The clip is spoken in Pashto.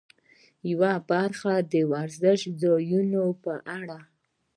یوه برخه د وزرشي ځایونو په اړه.